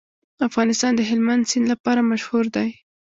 افغانستان د هلمند سیند لپاره مشهور دی.